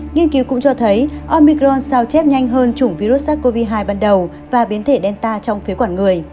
nghiên cứu cũng cho thấy omicron sao chép nhanh hơn chủng virus sars cov hai ban đầu và biến thể delta trong phế quản người